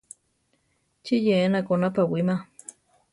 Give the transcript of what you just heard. ¿Chí yénako napawíma?